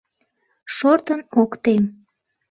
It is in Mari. Шортын ок тем...